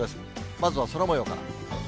まずは空もようから。